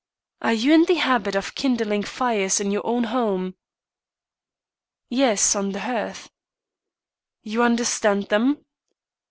"Are you in the habit of kindling fires in your own home?" "Yes, on the hearth." "You understand them?"